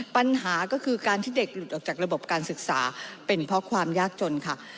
ปัญหาก็คือการที่เด็กหลุดออกจากระบบการศึกษาเป็นเพราะความยากจนค่ะ